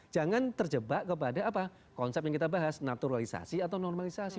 jangan terjebak kepada konsep yang kita bahas naturalisasi atau normalisasi